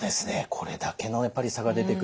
これだけのやっぱり差が出てくる。